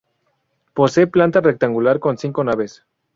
Posee planta rectangular con cinco naves.